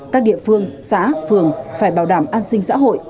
các địa phương xã phường phải bảo đảm an sinh xã hội